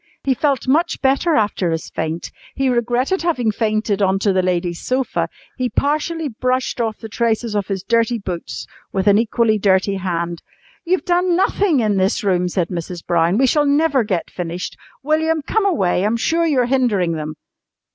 He felt much better after his faint. He regretted having fainted on to the lady's sofa. He partially brushed off the traces of his dirty boots with an equally dirty hand. "You've done nothing in this room," said Mrs. Brown. "We shall never get finished. William, come away! I'm sure you're hindering them."